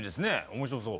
面白そう。